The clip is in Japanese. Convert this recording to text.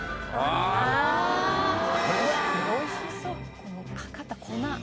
このかかった粉。